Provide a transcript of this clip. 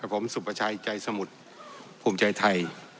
ผมสุประชัยใจสมุทรภูมิใจไทย